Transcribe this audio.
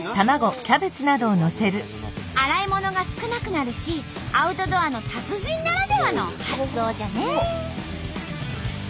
洗い物が少なくなるしアウトドアの達人ならではの発想じゃね！